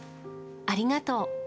ありがとう。